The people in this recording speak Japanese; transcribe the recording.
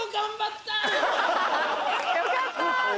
よかった。